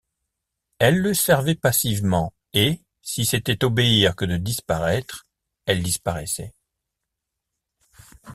Elles le servaient passivement, et, si c’était obéir que de disparaître, elles disparaissaient.